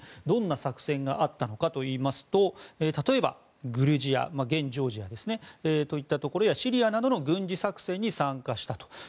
どんな作戦があったのかといいますと例えば、グルジア現ジョージアだとかシリアなどの軍事作戦に参加したと。